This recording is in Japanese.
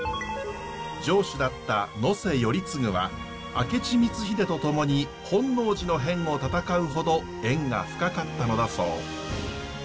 城主だった能勢頼次は明智光秀と共に本能寺の変を戦うほど縁が深かったのだそう。